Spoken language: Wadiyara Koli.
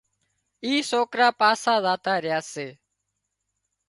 اين سوڪرا پاسا زاتا ريا سي